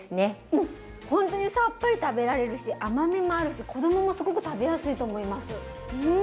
ほんとにさっぱり食べられるし甘みもあるし子供もすごく食べやすいと思いますうん。